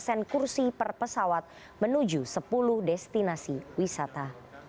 dan kursi per pesawat menuju sepuluh destinasi wisata